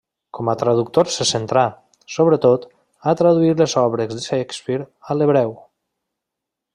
Com a traductor se centrà, sobretot, a traduir les obres de Shakespeare a l'hebreu.